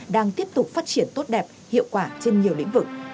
đang tiếp tục phát triển tốt đẹp hiệu quả trên nhiều lĩnh vực